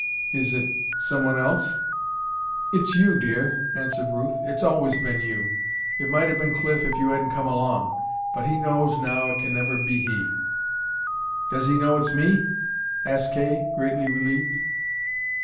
"Is it some one else?" "It's you, dear," answered Ruth. "It's always been you. It might have been Cliff if you hadn't come along. But he knows now it can never be he." "Does he know it's me?" asked Kay, greatly relieved.